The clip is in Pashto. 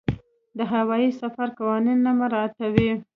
د هوايي سفر قوانین نه مراعاتوي.